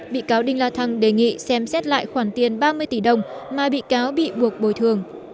bị cáo đinh la thăng đề nghị xem xét lại khoản tiền ba mươi tỷ đồng mà bị cáo bị buộc bồi thường